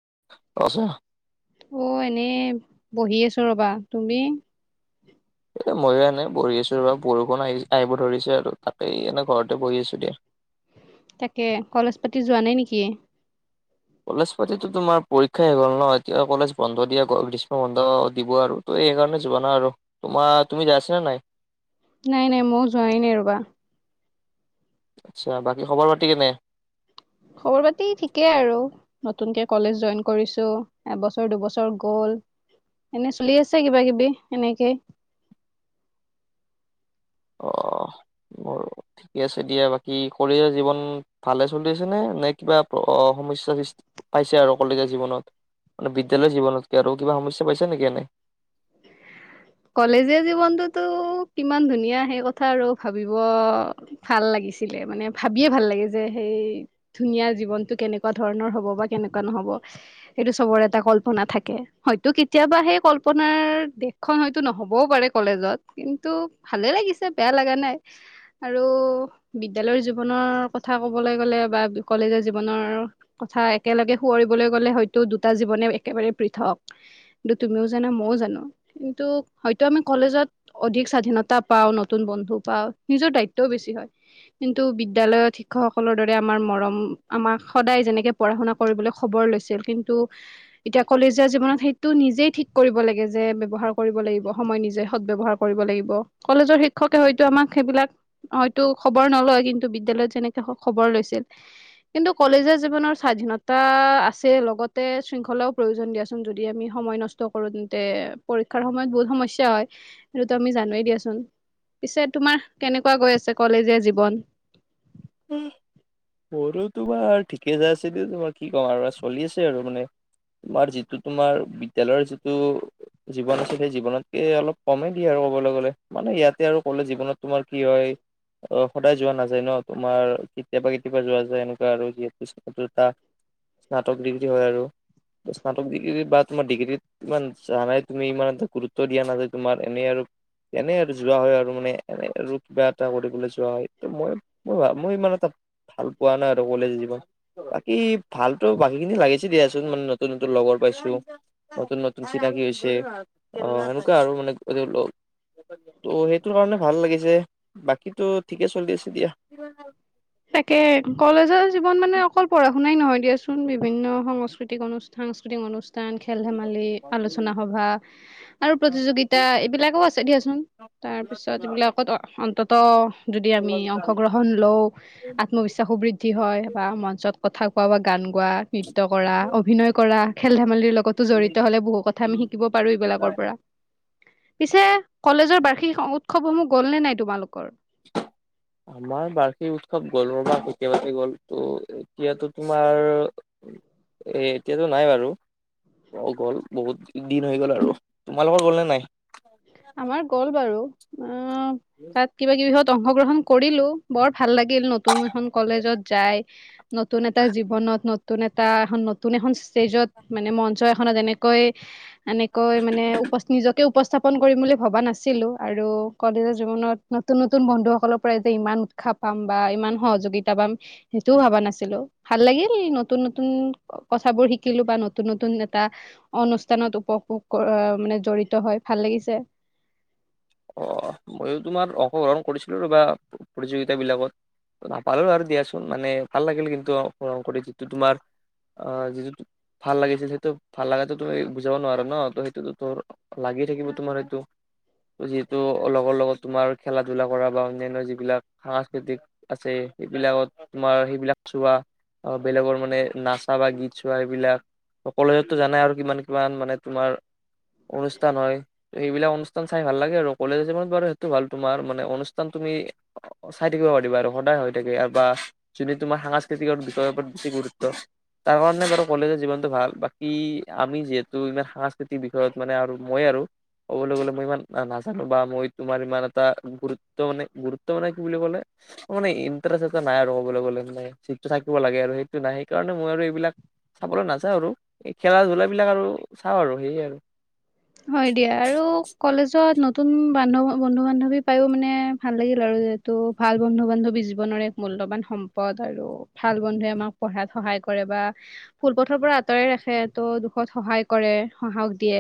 [unintelligible] অ এনেই বহি আছো ৰবা তুমি? এতিয়া মইয়ো এনে পৰি আছো ৰ বৰষুণ আহিছে আহিব ধৰিছে আৰু তাকেই এনে ঘৰতে বহি আছোঁ দিয়া তাকে কলেজ পাতি যোৱা নাই নেকি? কলেজ পাতিতো তোমাৰ পৰীক্ষাই গ'ল ন এতিয়া কলেজ বন্ধ দিয়া গ্ৰীষ্ম বন্ধ দিব আৰু ত' সেইকাৰণে যোৱা না আৰু তোমাৰ তুমি যাই আছ নে নাই? নাই নাই মই যোৱাই নাই ৰবা আচ্ছা বাকী খবৰ পাতি কেনে? খবৰ পাতি ঠিকেই আৰু নতুনকে কলেজ জইন কৰিছো এবছৰ দুবছৰ গল এনে চলি আছে কিবা কিবি এনেকেই। অ ঠিকে আছে দিয়া বাকী কলেজীয়া জীৱন ভালে চলি আছে নে নে কিবা সমস্যাৰ সৃষ্টি পাইছে আৰু কলেজীয়া জীৱনত মানে বিদ্যালয় জীৱনতকে আৰু কিবা সমস্যা পাইছে নেকি এনে কলেজীয়া জীৱনটোতো কিমান ধুনীয়া সেই কথা আৰু ভাবিব ভাল লাগিছিলে মানে ভাবিয়ে ভাল লাগে যে সেই ধুনীয়া জীৱনটো কেনেকুৱা ধৰণৰ হব বা কেনেকুৱা নহব সেইটো চবৰ এটা কল্পনা থাকে হয়তো কেতিয়াবা সেই কল্পনাৰ দেশখন হয় তো নহ'বও পাৰে কলেজত কিন্তু ভালেই লাগিছে বেয়া লগা নাই আৰু বিদ্যালয়ৰ জীৱনৰ কথা ক'বলৈ গ'লে বা কলেজৰ জীৱনৰ কথা একেলগে সোঁৱৰিবলৈ গ'লে হয়তো দুটা জীৱনে একেবাৰে পৃথক কিন্তু তুমিও জানা ময়ো জানো কিন্তু হয়তো আমাৰ কলেজত অধিক স্বাধীনতা পাওঁ নতুন বন্ধু পাওঁ নিজৰ দায়িত্বও বেছি হয় কিন্তু বিদ্যালয়ত শিক্ষকসকলৰ দৰে আমাৰ মৰম আমাক সদায় যেনেকে পঢ়া শুনা কৰিবলৈ খবৰ লৈছিল কিন্তু এতিয়া কলেজীয়া জীৱনত সেইটো নিজেই ঠিক কৰিব লাগে যে ব্যৱহাৰ কৰিব লাগিব। সময় নিজে সদ ব্যয়বহাৰ কৰিব লাগিব কলেজৰ শিক্ষকে হয়তো আমাক সেইবিলাক হয়তো খবৰ নলয় কিন্তু বিদ্যালয়ত যেনেকে খবৰ লৈছিল কিন্তু কলেজৰ জীৱনৰ স্বাধীনতা আছে লগতে শৃংখলাও প্ৰয়োজন দিয়াচোন যদি আমি সময় নষ্ট কৰো তেন্তে পৰীক্ষাৰ সময়ত বহুত সমস্যা হয় সেইতো আমি জানোৱে দিয়াচোন পিছে তোমাৰ কেনেকুৱা গৈ আছে কলেজীয়া জীৱন মোৰো তোমাৰ ঠিকে যাই আছে দে তোমাৰ কি ক'ম আৰু চলি আছে আৰু মানে তোমাৰ যিটো তোমাৰ বিদ্যালয়ৰ যিটো জীৱন আছে সেই জীৱনতকে অলপ কমেই দিয়ে আৰু ক'বলৈ গলে মানে ইয়াতে আৰু কলে জীৱনত তোমাৰ কি হয় অহ সদায় যোৱা নাযায় ন তোমাৰ কেতিয়াবা কেতিয়াবা যোৱা যায় এনেকুৱা আৰু যিহেতু এটা স্নাতক ডিগ্ৰী হয় আৰু স্নাতক ডিগ্ৰী বা তোমাৰ ডিগ্ৰীত ইমান জোৱা নাই তুমি ইমান এটা গুৰুত্ব দিয়া নাযায় তোমাৰ এনে আৰু এনে আৰু যোৱা হয় আৰু মানে এনে আৰু কিবা এটা কৰিবলৈ যোৱা হয় ত মই মোৰ মই ইমান এটা ভাল পোৱা নাই আৰু কলেজ জীৱন বাকী ভালতো বাকীখিনি লাগিছে। দিয়াচোন মানে নতুন নতুন লগৰ পাইছোঁ নতুন নতুন চিনাকি হৈছে অ সেনেকুৱা আৰু মানে এনেও লগ অ সেইটোৰ কাৰণে ভাল লাগিছে। বাকীতো ঠিকে চলি আছে দিয়া। [unintelligible] তাকে কলেজৰ জীৱন মানে অকল পঢ়া শুনাই নহয় দিয়াচোন বিভিন্ন সংস্কতিক অনুষ্ঠান সাংস্কৃতিক অনু- ষ্ঠান খেল ধেমালি আলোচনা সভা আৰু প্ৰতিযোগিতা এইবিলাকো আছে দিয়াচোন তাৰপিছত এইবিলাকত অন্তত ত' যদি আমি অংশগ্ৰহণ লওঁ আত্মবিশ্বাসো বৃদ্ধি হয় বা মঞ্চত কথা কোৱা বা গান গোৱা নৃত্য কৰা অভিনয় কৰা খেল ধেমালিৰ লগ তো জড়িত হলে বহু কথা আমি শিকিব পাৰোঁ এইবিলাকৰ পৰা। পিছে কলেজৰ বাৰ্ষিক উৎ- সৱ সমূহ গল নে নাই তোমালোকৰ? আমাৰ বাৰ্ষিক উৎসৱ গ'ল ৰ বা তৃতীয়বাৰ্ষিক গ'ল ত এতিয়াতো তোমাৰ এ এতিয়াতো নাই বাৰু গ'ল বহুত দিন হৈ গ'ল আৰু তোমালোকৰ গ'ল নে নাই আমাৰ গ'ল বাৰু উম তাত কিবা-কিবিহত- অংশগ্ৰহণ কৰিলো বৰ- ভাল লাগিল নতুন এখন কলেজত যায়, নতুন এটা জীৱনত নতুন- এটা এখন নতুন নতুন এখন ষ্টেজত মানে মঞ্চ এখনত যেনে- কৈ- এনেকৈ মানে উপস্থিত নিজকেও- উপস্থাপ কৰিম বুলি ভবা নাছিলো। আৰু কলেজৰ জীৱনত নতুন, নতুন বন্ধুসকলৰ পৰাই যে ইমান উৎসাহ পাম বা ইমান সহযোগিতা পাম সেইটোও ভবা নাছিলো। ভাল লাগিল নতুন, নতুন কথাবোৰ শিকিলো বা নতুন, নতুন এটা অনুষ্ঠানত উপভোগ মানে জড়িত হৈ- ভাল লাগিছে। অ মইও তোমাৰ অংশগ্ৰহণ কৰিছিলো ৰবা প্ৰতিযোগিতা বিলাকত নাপালো আৰু দিয়াচোন মানে ভাল লাগিল কিন্তু অংশগ্ৰহণ কৰি যিটো তোমাৰ অহ যিটো ভাল লাগিছিল। সেইটো ভাল লগাটো তুমি বুজাব নোৱাৰা ন। ত' সেইটোতো তোৰ লাগি থাকিব। তোমাৰ সেইটো- যিহেতু লগৰ লগত তোমাৰ খেলা- ধলা কৰা বা অন্যান্য যিবিলাক সাংস্কৃতিক আছে। সেইবিলাকত তোমাৰ সেইবিলাক চোৱা বেলেগৰ মানে নাচা বা গীত চোৱা সেইবিলাক। কলেজতো জানাই আৰু কিমান, কিমান মানে তোমাৰ- অনুষ্ঠান হয়। সেইবিলাক অনুষ্ঠান- ভাল লাগে আৰু। কলেজৰ জীৱন বাৰু সেইটো ভাল তোমাৰ মানে অনুষ্ঠান তুমি চাই থাকিব পাৰিবা। আৰু সদায় হৈ থাকে বা যোনে তোমাৰ সাংস্কৃতিক বিষয়ৰ ওপৰত বেছি গুৰুত্ব তাৰ কাৰণে বাৰু কলেজৰ জীৱনতটো ভাল। বাকী আমি যিহেতু ইমান সাংস্কৃতিক বিষয়ত মানে আৰু মই আৰু ক'বলৈ গলে মই ইমান- নাজানো বা মই তোমাৰ ইমান এটা গুৰুত্ব মানে, গুৰুত্ব মানে কি বুলি কলে মানে ইণ্টাৰেষ্ট এটা' নাই আৰু কবলৈ গলে। মানে যিটো থাকিব লাগে আৰু সেইটো নাই। সেইকাৰণে মই আৰু এইবিলাক চাবলৈ নাযাওঁ আৰু খেলা- ধূলা বিলাক আৰু চাওঁ আৰু সেইয়াই আৰু। হয় দিয়া। আৰু কলেজত নতুন বান্ধ, বন্ধু-বান্ধৱী পায়ো মানে ভাল লাগিল আৰু যিহেটো ভাল বন্ধু-বান্ধৱী জীৱনৰ এক মূল্যবান সম্পদ। আৰু ভাল বন্ধুৱে আমাক পঢ়াত সহায় কৰে বা ভূল পথৰ পৰা আঁতৰাই ৰাখে ত' দুখত সহায় কৰে সাহস দিয়ে।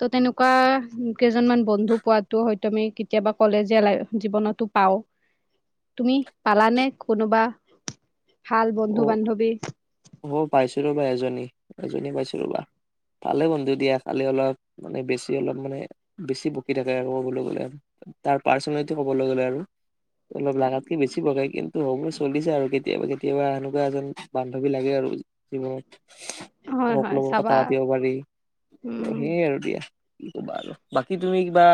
ত' তেনেকোৱা কেইজনমান বন্ধু পোৱাতো হয়তো আমি কেতিয়াবা কলেজীয়া জীৱনতো পাওঁ। তুমি পালানে কোনোবা- ভাল বন্ধু অ বান্ধৱী অ পাইছিলো ৰবা এজনী। এজনীয়ে পাইছো ৰবা ভালে বন্ধু দিয়া। খালি অলপ মানে বেছি, অলপ মানে বেছি বকি থাকে আৰু কবলৈ গলে। তাৰ পাৰ্চনেলিটি কবলৈ গ'লে আৰু- অলপ লগাতকে বেছি বকে। কিন্তু হলো চলি যায় আৰু কেতিয়াবা, কেতিয়াবা। কেতিয়াবা এনেকোৱা এজন বান্ধৱী লাগে আৰু জীৱনত। হয় হয় সকলোবোৰ কথা চাবা পাতিব পাৰি। আৰু উম সেইয়াই আৰু দিয়া কি ক'বা আৰু। বাকী তুমি- কিবা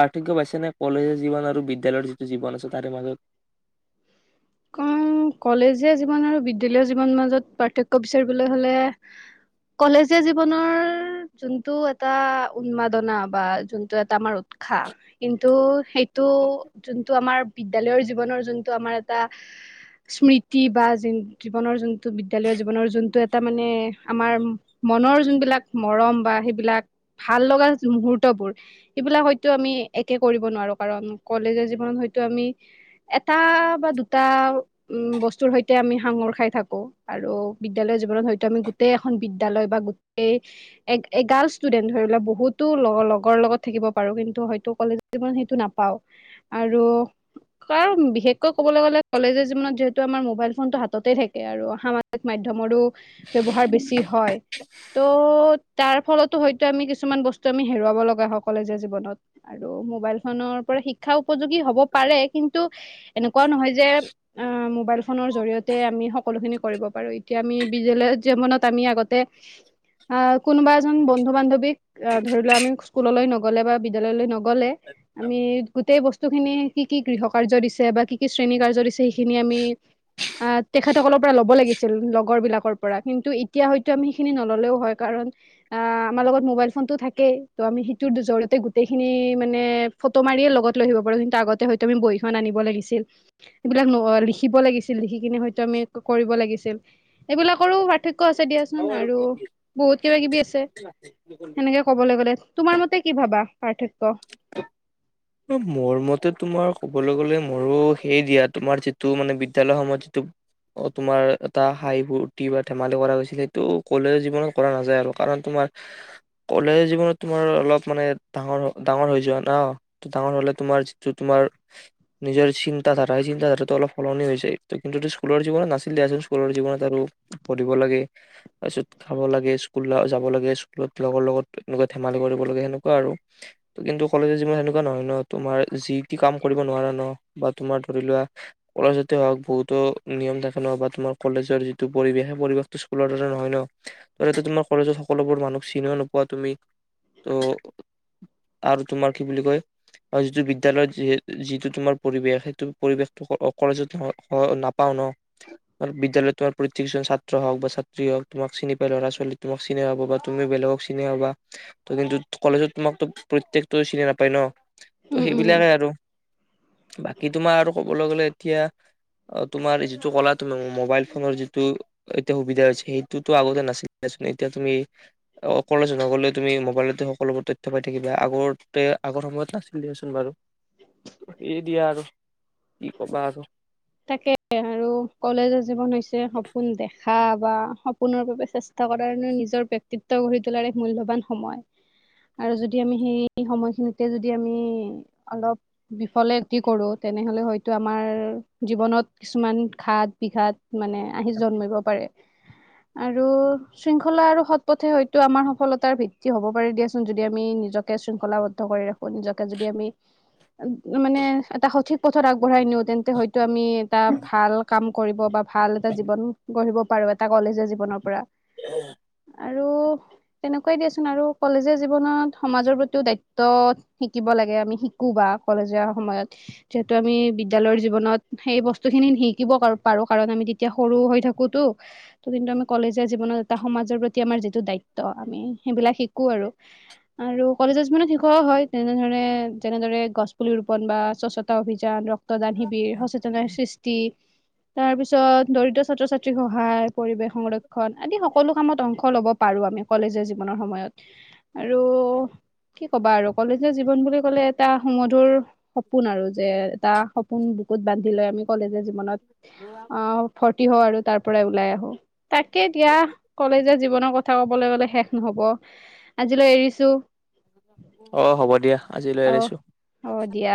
পাৰ্থক্য পাইছেনে কলেজৰ জীৱন আৰু বিদ্যালয়ৰ যিটো জীৱন আছে তাৰে মাজত? অঁ কলেজীয়া জীৱন আৰু বিদ্যালয়ৰ জীৱনৰ মাজত পাৰ্থক্য বিচাৰিবলৈ হ'লে কলেজীয়া জীৱনৰ যোনটো এটা উন্মাদনা বা যোনটো এটা আমাৰ উৎসাহ কিন্তু- সেইটো যোনটো আমাৰ- বিদ্যালয়ৰ জীৱনৰ যোনটো আমাৰ- এটা স্মৃতি বা জীৱনৰ যোনটো বিদ্যালয়ৰ জীৱনৰ যোনটো এটা মানে আমাৰ মনৰ যোনবিলাক মৰম বা সেইবিলাক ভাল লগা মুহূৰ্তবোৰ সেইবিলাক হয়তো আমি একে কৰিব নোৱাৰো। কাৰণ কলেজৰ জীৱনত হয়তো আমি এটা বা দুটা- টা বস্তুৰ সৈতে আমি সাঙুৰ খাই থাকো। আৰু বিদ্যালয় জীৱনত হয়তো আমি গোটেই এখন বিদ্যালয় বা গোটেই এগাৰ্লচ ষ্টুডেন্ট ধৰিলে বহুতো লগৰ লগত থাকিব পাৰো। কিন্তু হয়তো কলেজ জীৱনত সেইটো নাপাওঁ। আৰু কাৰ বিশেষকৈ ক'বলৈ গ'লে- কলেজৰ জীৱনত যিহেতু আমাৰ মোবাইল ফোনটো হাততে থাকে। আৰু সামাজিক মাধ্যমৰো- ব্যৱহাৰ বেছি হয়। ত' তাৰ ফলতো হয়তো আমি কিছুমান বস্তু আমি হেৰুৱাব লগা হয় স কলেজীয়া জীৱনত। আৰু মোবাইল ফোনৰ পৰা শিক্ষা উপযোগী হ'ব পাৰে কিন্তু এনেকোৱাও নহয়- অ মবাইল ফোনৰ জৰিয়তে আমি সকলোখিনি- কৰিব পাৰো। এতিয়া আমি বিদ্যালয় জীৱনত আমি আগতে আহ কোনোবা এজন বন্ধু-বান্ধৱীক আঁহ ধৰি লোৱা আমি স্কুললৈ নগলে বা বিদ্যালয়লৈ নগলে আমি গোটেই বস্তু খিনি কি' কি গৃহ কাৰ্য দিছে বা কি' কি শ্ৰেণী কাৰ্য দিছে সেইখিনি আমি তেখেতসকলৰ পৰা ল'ব লাগিছিল লগৰ বিলাকৰ পৰা কিন্তু এতিয়া হয়তো আমি সেইখিনি নল'লেও হয় কাৰণ আমাৰ লগত মোবাইল ফোনতটো থাকেই। ত' আমি সেইটোৰ জৰিয়তে গোটেইখিনি মানে ফটো মাৰিয়ে লগত লৈ আহিব পাৰো। কিন্তু আগতে হয়তো আমি বহিখন আনিব লাগিছিল। ল লিখিব লাগিছিল। লিখি- কিনি হয়তো আমি কৰিব লাগিছিল। এইবিলাকৰো পাৰ্থক্য। ক আছে দিয়াচোন আৰু মাজত বহুত কিবা কিবি আছে। সেনেকে ক'বলৈ গ'লে। তোমাৰ মতে কি ভাবা পাৰ্থক্য? [unintelligible] মোৰ মতে তোমাৰ কবলৈ গলে, মোৰো সেই দিয়া তোমাৰ যিটো মানে বিদ্য়ালয়ৰ সময়ত যিটো তোমাৰ এটা হাঁহি ফূৰ্তি বা ধেমালি কৰা হৈছিল, সেইটো কলেজৰ জীৱনত কৰা নাযায় আৰু। কাৰণ তোমাৰ কলেজৰ জীৱনত তোমাৰ অলপ মানে ডাঙৰ ডাঙৰ হৈ যোৱা ন। ত ডাঙৰ হলে তোমাৰ যিটো তোমাৰ নিজৰ চিন্তা ধাৰা, সেই চিন্তা ধাৰাটো অলপ সলনি হৈ যায়। ত কিন্তু স্কুলৰ জীৱনত নাছিল দিয়াচোন স্কুলৰ জীৱনত আৰু পঢ়িব লাগে তাৰপিছত খাব লাগে স্কুল যাব লাগে স্কুলত লগৰ লগত এনেকুৱা ধেমালি কৰিব লাগে সেনেকুৱা আৰু। ত কিন্তু কলেজৰ জীৱন। নহয় ন তোমাৰ যি কাম কৰিব নোৱাৰা ন। বা তোমাৰ ধৰি লোৱা কলেজতে হওক, বহুতো নিয়ম থাকে ন। বা তোমাৰ কলেজৰ যিটো পৰিৱেশ সেই পৰিৱেশটো স্কুলৰ দৰে নহয় ন, তটো তোমাৰ কলেজত সকলোবোৰ মানুহক চিনিও নোপোৱা তুমি ত আৰু তোমাৰ কি বুলি। আৰু যিটো বিদ্যয়ালয়ত যি। যিটো তোমাৰ পৰিৱেশ সেইটো পৰিৱেশটো কলেজত নাপাও ন। আৰু বিদ্যালয়ত তোমাৰ প্ৰত্যকজন ছাত্ৰ হওঁক বা ছাত্ৰী হওক তোমাক চিনি পাই ল'ৰা ছোৱালী তোমাক চিনি হাবা বা তুমি বেলেগক চিনি হাবা ত কিন্তু কলেজত তোমাকতো প্ৰত্যেকটোৱে চিনি নাপায় ন। ত' উম উম সেইবিলাকে আৰু। বাকী তোমাৰ আৰু ক'বলৈ গ'লে এতিয়া, তোমাৰ যিটো কলা তুমি মোবাইল ফোনৰ যিটো এতিয়া সুবিধা হৈছে সেইটোতো আগতে নাছিলে চুন। এতিয়া তুমি কলেজ নগলে তুমি মোবাইলতে সকলোবোৰ তথ্য পাই থাকিবা আগতে আগৰ সময়ত। নাছিল দিয়াচোন বাৰু। এই দিয়া আৰু কি কবা আৰু? তাকে আৰু কলেজৰ জীৱন হৈছে সপোন দেখা বা সপোনৰ বাবে চেষ্টা কৰাৰ নিজৰ ব্ক্তিত্ব গঢ়ি তোলাৰ এক মূল্যবান সময়। আৰু যদি আমি সেই সময়খিনিতে যদি আমি অলপ বিফলেতি কৰোঁ তেনেহলে হয়তো আমাৰ। জীৱনত কিছুমান ঘাত বিঘাত মানে আহি জন্মিব পাৰে। আৰু শৃংখলা আৰু সৎ পথে হয়তো আমাৰ সফলতাৰ ভিত্তি হব পাৰে দিয়াচোন। যদি আমি নিজকে শৃংখলাবদ্ধ কৰি ৰাখো নিজকে যদি আমি মানে এটা সঠিক পথত আগবঢ়াই নিওঁ তেন্তে হয়। আমি এটা ভাল কাম। কৰিব বা ভাল এটা জীৱন গঢ়িব পাৰো, এটা কলেজৰ জীৱনৰ পৰা। [unintelligible] আৰু তেনেকুৱাই দিয়াচোন আৰু কলেজীয়া জীৱনত সমাজৰ প্ৰতিও দায়িত্ব শিকিব লাগে। আমি শিকো বা কলেজীয়া সময়ত যিহেতু আমি বিদ্যালয়ৰ জীৱনত। সেই বস্তু খিনি শিকিবো পাৰো কাৰণ আমি তেতিয়া সৰু হৈ থাকোতো, ত কিন্তু আমি কলেজৰ জীৱনত এটা সমাজৰ প্ৰতি আমাৰ যিটো দায়িত্ব, আমি সেইবিলাক শিকো আৰু। আৰু কলেজৰ জীৱনত শিকোৱাও হয় তেনেধৰণে যেনেদৰে গছ পুলি ৰোপন বা স্বচ্ছতা অভিযান। ৰক্তদান শিবিৰ। সৃষ্টি। তাৰ পিছত দৰিদ্ৰ ছাত্ৰ ছাত্ৰীৰ সহায়, পৰিৱেশ সংৰক্ষণ। আদি সকলো কামত অংশ ল'ব। পাৰোঁ আমি কলেগীয়া জীৱনৰ সময়ত। আৰু কি ক'বা আৰু? কলেজৰ জীৱন বুলি ক'লে এটা সুমধুৰ সপোন আৰু যে। তটা সপোন বুকুত বান্ধি। লৈ আমি কলেজীয়া। মনত অ ফৰ্তি হ আৰু তাৰ পৰাই ওলাই আহো। তাকে দিয়া কলেজৰ জীৱনত। কথা কবলৈ গলে শেষ নহব আজিলৈ এৰিছো। অহ হ'ব দিয়া আজিলৈ অ এৰিছোঁ। অ দিয়া